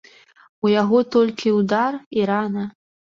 У яго толькі ўдар і рана.